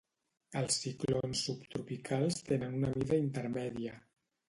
Els ciclons subtropicals tenen una mida intermèdia.